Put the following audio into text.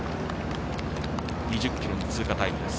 ２０ｋｍの通過タイムです。